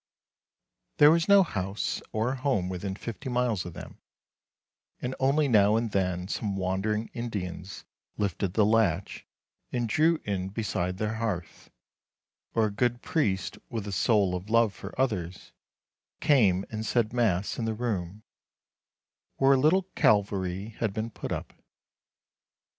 There was no THE GUARDIAN OF THE FIRE 321 house or home within fifty miles of them, and only now and then some wandering Indians lifted the latch, and drew in beside their hearth, or a good priest with a soul of love for others, came and said Mass in the room where a little Calvary had been put up.